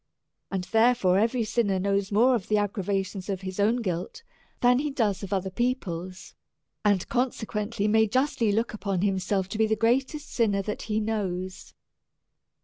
And therefore every sinner knows more of the aggravation of his own guilt, than he does of other people's ; and consequently may S36 4 SERIOUS CALL TO A justly look upon himself to be the greatest sinner that he knows.